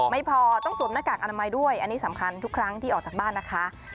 ไม่พอต้องสวมหน้ากากอนามัยด้วยอันนี้สำคัญทุกครั้งที่ออกจากบ้านนะคะ